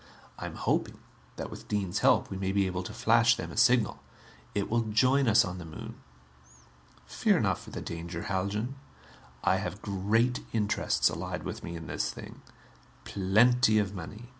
I am hoping that, with Dean's help, we may be able to flash them a signal. It will join us on the Moon. Fear not for the danger, Haljan. I have great interests allied with me in this thing. Plenty of money.